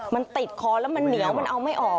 มันติดคอแล้วมันเหนียวมันเอาไม่ออก